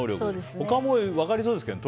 他も分かりそうですけどね。